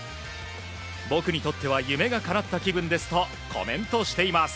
僕にとっては夢がかなった気分ですとコメントしています。